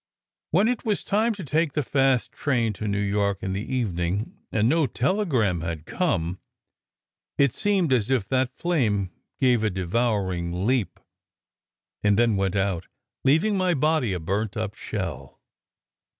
When it was time to take the fast train to New York in the evening, and no tele gram had come, it seemed as if that flame gave a devour ing leap, and then went out, leaving my body a burnt up shell.